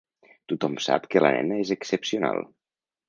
Tothom sap que la nena és excepcional.